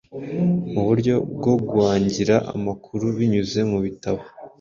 muburyo bwo guangira amakuru binyuze mubitabo,